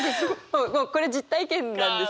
これ実体験なんです。